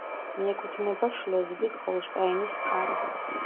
მიეკუთვნება შლეზვიგ-ჰოლშტაინის მხარეს.